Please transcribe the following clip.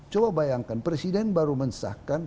coba bayangkan presiden baru mensahkan